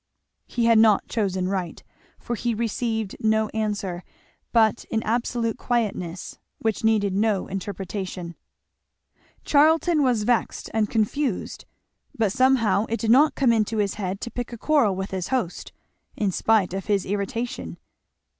He had not chosen right, for he received no answer but an absolute quietness which needed no interpretation. Charlton was vexed and confused, but somehow it did not come into his head to pick a quarrel with his host, in spite of his irritation.